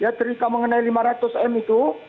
ya cerita mengenai lima ratus m itu